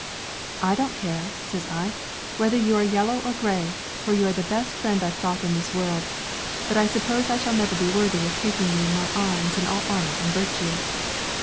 'I don't care,' says I, 'whether you are yellow or gray, for you are the best friend I've got in this world; but I suppose I shall never be worthy of taking you in my arms in all honor and virtue.'